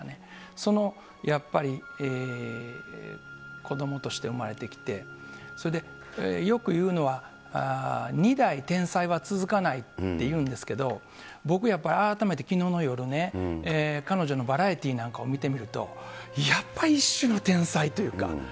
そのやっぱり、子どもとして生まれてきて、それでよくいうのは、２代天才は続かないっていうんですけれども、僕やっぱり、改めてきのうの夜ね、彼女のバラエティーなんかを見てみると、やっぱり一種の天才というか。